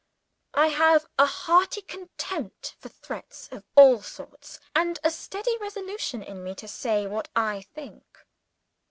"I have a hearty contempt for threats of all sorts, and a steady resolution in me to say what I think."